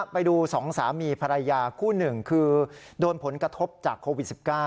ไปดู๒สามีภรรยาคู่หนึ่งคือโดนผลกระทบจากโควิด๑๙